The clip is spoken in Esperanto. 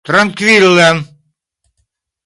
trankvile